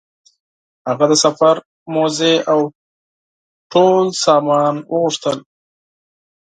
هغه د سفر موزې او تور سامان وغوښتل.